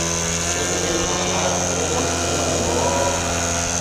— Тый дечет посна ыштен моштем ыле мо?